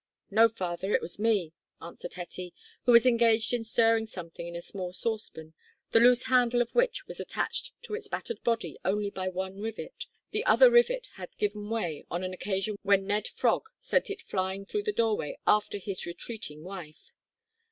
"No, father, it was me," answered Hetty, who was engaged in stirring something in a small saucepan, the loose handle of which was attached to its battered body by only one rivet; the other rivet had given way on an occasion when Ned Frog sent it flying through the doorway after his retreating wife.